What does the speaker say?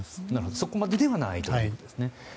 そこまでではないということですね。